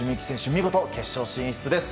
見事、決勝進出です。